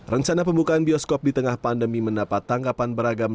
rencana pembukaan bioskop di tengah pandemi mendapat tanggapan beragam